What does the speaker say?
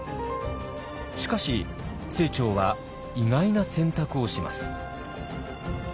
しかし清張は意外な選択をします。